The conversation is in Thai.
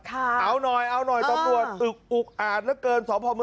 ครับเอาหน่อยเอาหน่อยตำรวจอุ๊กอาดเกินสพม๑๐๑